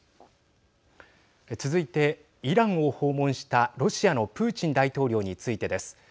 続いて、イランを訪問したロシアのプーチン大統領についてです。